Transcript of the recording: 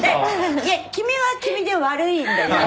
いや君は君で悪いんだよ。